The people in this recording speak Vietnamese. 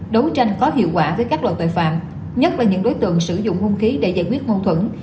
đấu tranh có hiệu quả với các loại tội phạm nhất là những đối tượng sử dụng hung khí để giải quyết mâu thuẫn